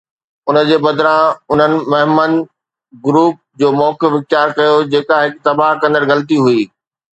ان جي بدران، انهن مهمند گروپ جو موقف اختيار ڪيو، جيڪا هڪ تباهه ڪندڙ غلطي هئي.